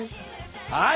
はい！